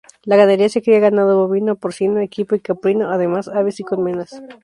La ganadería se cría ganado bovino, porcino, equipo y caprino, además, aves y colmenas.